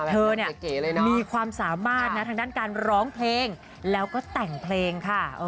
เธอเนี่ยมีความสามารถนะทางด้านการร้องเพลงแล้วก็แต่งเพลงค่ะ